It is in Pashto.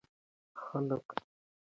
خلک دا بدلون خوښوي.